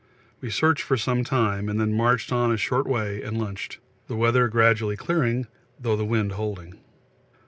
We searched for some time, then marched on a short way and lunched, the weather gradually clearing, though the wind holding.